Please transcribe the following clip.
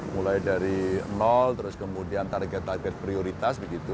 mulai dari nol terus kemudian target target prioritas begitu